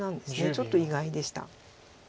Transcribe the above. ちょっと意外でした。